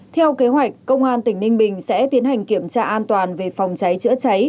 theo kế hoạch công an tỉnh ninh bình sẽ tiến hành kiểm tra an toàn về phòng cháy chữa cháy